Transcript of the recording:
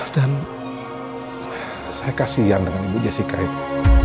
dan saya kasihan dengan ibu jessica itu